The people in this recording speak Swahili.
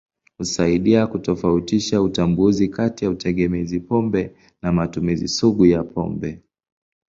Husaidia kutofautisha utambuzi kati ya utegemezi pombe na matumizi sugu ya pombe.